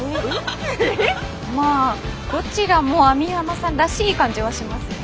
まあどちらも網浜さんらしい感じはしますね。